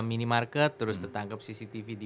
mini market terus tertangkap cctv di